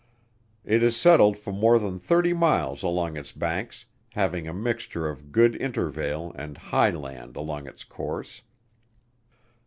It is settled for more than thirty miles along its banks, having a mixture of good intervale and high land along its course.